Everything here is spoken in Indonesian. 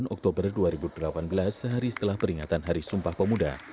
sembilan oktober dua ribu delapan belas sehari setelah peringatan hari sumpah pemuda